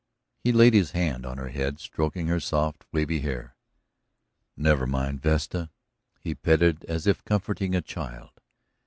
He laid his hand on her head, stroking her soft, wavy hair. "Never mind, Vesta," he petted, as if comforting a child.